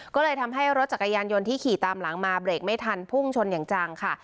ก็เลยทำให้รถจักรยานยนต์ที่ขี่ตามหลังมาเบรกไม่ทันพุ่งชนอย่างจังค่ะ